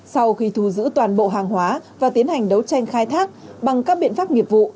sau khi thu giữ toàn bộ hàng hóa và tiến hành đấu tranh khai thác bằng các biện pháp nghiệp vụ